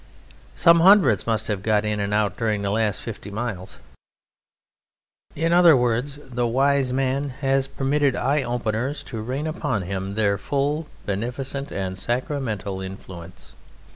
Some hundreds must have got in and out during the last fifty miles!" In other words, the wise man has permitted eye openers to rain upon him their full, beneficent, and sacramental influence.